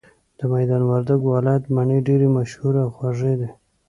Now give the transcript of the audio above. د ميدان وردګو ولايت مڼي ډيري مشهوره او خوږې دي